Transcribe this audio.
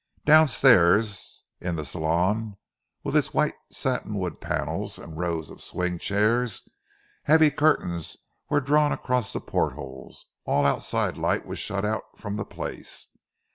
Downstairs, in the saloon, with its white satinwood panels and rows of swing chairs, heavy curtains were drawn across the portholes, all outside light was shut out from the place.